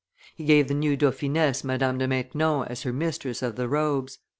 He gave the new dauphiness Madame de Maintenon as her mistress of the robes.